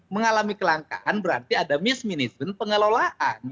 mengalami kelangkaan berarti ada mismenism pengelolaan